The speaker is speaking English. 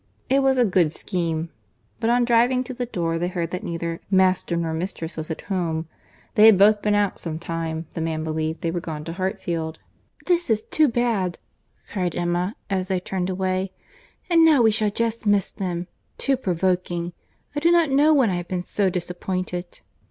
It was a good scheme; but on driving to the door they heard that neither "master nor mistress was at home;" they had both been out some time; the man believed they were gone to Hartfield. "This is too bad," cried Emma, as they turned away. "And now we shall just miss them; too provoking!—I do not know when I have been so disappointed."